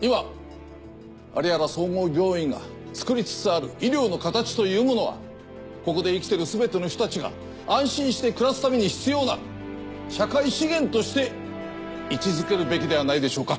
今有原総合病院が作りつつある医療の形というものはここで生きてるすべての人たちが安心して暮らすために必要な社会資源として位置づけるべきではないでしょうか。